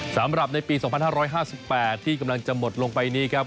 สำหรับในปี๒๕๕๘ที่กำลังจะหมดลงไปนี้ครับ